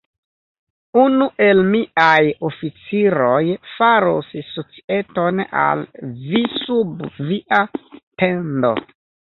Unu el miaj oficiroj faros societon al vi sub via tendo.